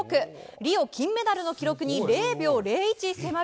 リオ金メダルの記録に０秒０１迫る